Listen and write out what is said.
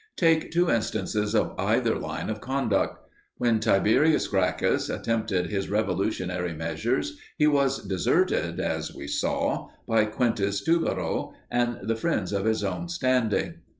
Take two instances of either line of conduct. When Tiberius Gracchus attempted his revolutionary measures he was deserted, as we saw, by Quintus Tubero and the friends of his own standing.